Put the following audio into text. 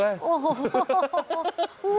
โอ้โห